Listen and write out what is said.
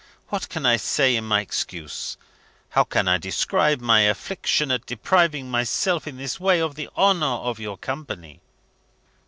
What can I say in my excuse? How can I describe my affliction at depriving myself in this way of the honour of your company?"